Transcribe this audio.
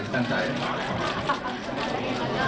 ขอบคุณมาก